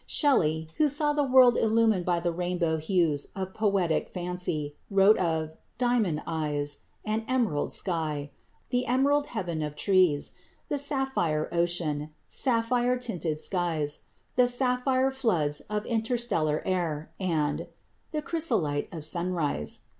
Shelley, who saw the world illumined by the rainbow hues of poetic fancy, wrote of "diamond eyes," "an emerald sky," "the emerald heaven of trees," "the sapphire ocean," "sapphire tinted skies," "the sapphire floods of interstellar air," and "the chrysolite of sunrise."